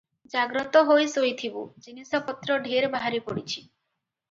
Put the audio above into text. ଜାଗ୍ରତ ହୋଇ ଶୋଇଥିବୁ, ଜିନିଷପତ୍ର ଢେର ବାହାରେ ପଡ଼ିଛି ।"